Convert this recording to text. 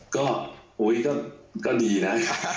ก็ดีนะ